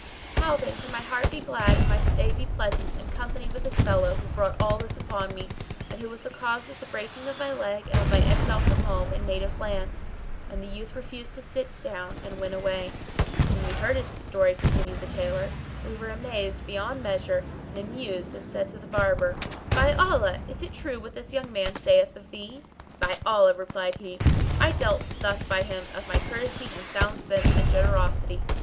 How then can my heart be glad and my stay be pleasant in company with this fellow who brought all this upon me, and who was the cause of the breaking of my leg and of my exile from home and native land. And the youth refused to sit down and went away. When we heard his story (continued the Tailor) we were amazed beyond measure and amused and said to the Barber, "By Allah, is it true what this young man saith of thee?" "By Allah," replied he, "I dealt thus by him of my courtesy and sound sense and generosity.